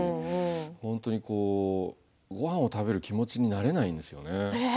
本当に、ごはんを食べる気持ちになれないんですよね。